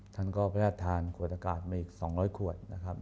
ท่านก็พระราชทานขวดอากาศมาอีก๒๐๐ขวดนะครับ